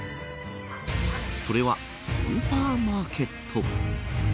それはスーパーマーケット。